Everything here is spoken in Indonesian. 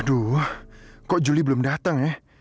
aduh wah kok juli belum datang ya